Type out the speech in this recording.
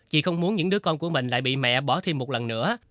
chị không muốn những đứa con của mình lại bị mẹ bỏ thêm một lần nữa